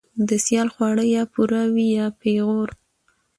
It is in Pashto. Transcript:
ـ د سيال خواړه يا پور وي يا پېغور.